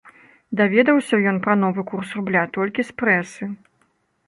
Даведаўся ён пра новы курс рубля толькі з прэсы.